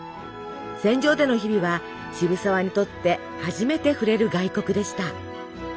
船上での日々は渋沢にとって初めて触れる外国でした。